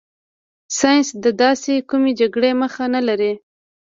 ساینس د داسې کومې جګړې مخه نه لري.